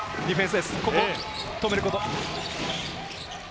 ここを止めること。